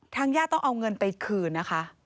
ญาติต้องเอาเงินไปคืนนะคะ